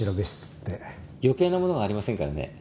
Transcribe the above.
余計なものがありませんからね。